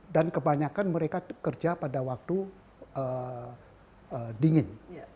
dan kebanyakan mereka kerja pada waktu dingin